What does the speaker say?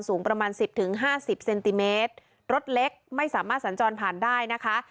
สูงประมาณสิบถึงห้าสิบเซนติเมตรรถเล็กไม่สามารถสัญจรผ่านได้นะคะ